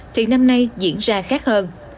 thì năm nay diễn ra khác hơn